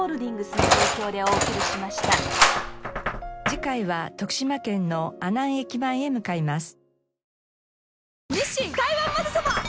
次回は徳島県の阿南駅前へ向かいます。